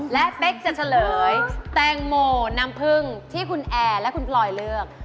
และเป๊กจะเฉลยแตงโมน้ำผึ้งที่คุณแอร์และคุณพลอยเลือก